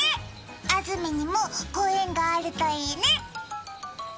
安住にもご縁があるといいね。